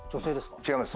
違います。